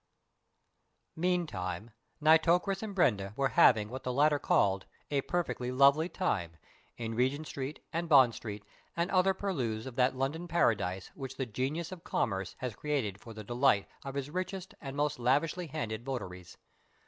Meantime Nitocris and Brenda were having what the latter called "a perfectly lovely time" in Regent Street and Bond Street and other purlieus of that London paradise which the genius of commerce has created for the delight of his richest and most lavish handed votaries.